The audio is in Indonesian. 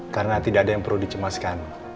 karena tidak ada yang perlu dicemaskan